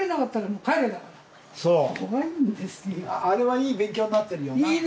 あれはいい勉強になってるよな。